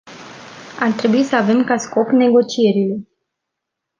Ar trebui să avem ca scop negocierile.